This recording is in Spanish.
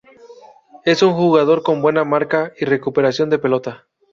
Es un jugador con buena marca y recuperación de pelota.